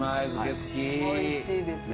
おいしいですよね。